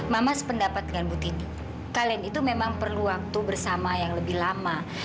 mama sependapat dengan bu tini kalian itu memang perlu waktu bersama yang lebih lama